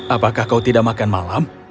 apakah kau tidak makan malam